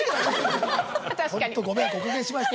ホントご迷惑おかけしました。